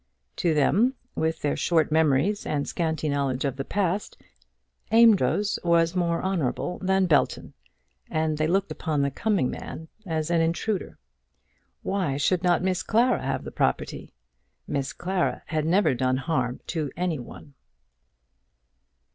To them, with their short memories and scanty knowledge of the past, Amedroz was more honourable than Belton, and they looked upon the coming man as an intruder. Why should not Miss Clara have the property? Miss Clara had never done harm to any one!